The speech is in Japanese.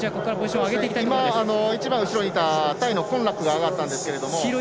一番後ろにいたタイのコンラックが上がったんですが。